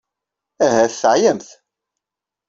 Ahat teɛyamt.